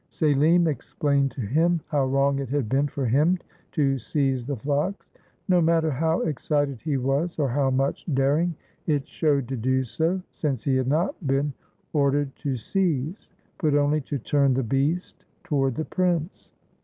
Selim explained to him how wrong it had been for him to seize the fox, no matter how excited he was, or how much daring it showed to do so, since he had not been ordered to seize, but only to turn the beast toward the prince.